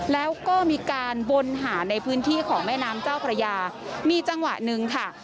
แล้วก็มีการวนหาในพื้นที่ของแม่น้ำเจ้าพระยามีจังหวะหนึ่งค่ะ